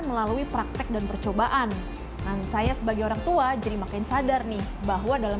melalui praktek dan percobaan dan saya sebagai orang tua jadi makin sadar nih bahwa dalam